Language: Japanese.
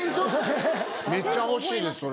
めっちゃ欲しいですそれ。